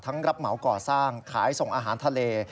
รับเหมาก่อสร้างขายส่งอาหารทะเล